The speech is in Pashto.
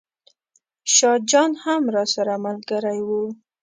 شاه جان هم راسره ملګری و.